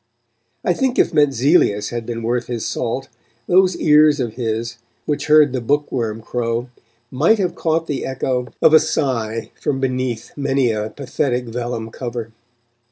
I think if Mentzelius had been worth his salt, those ears of his, which heard the book worm crow, might have caught the echo of a sigh from beneath many a pathetic vellum cover.